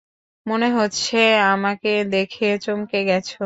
মনেহচ্ছে, আমাকে দেখে চমকে গেছো।